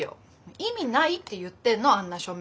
意味ないって言ってんのあんな署名。